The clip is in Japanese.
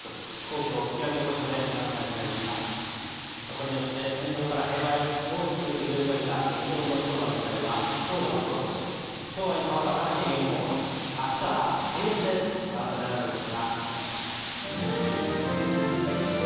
これによって戦争から平和へと大きく揺れ動いた激動の昭和の時代は今日で幕を閉じ昭和にかわる新しい元号は明日から平成と改められることが決まりました。